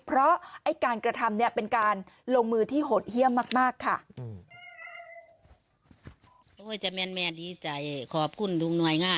เพราะไอ้การกระทำเนี่ยเป็นการลงมือที่หดเยี่ยมมากค่ะ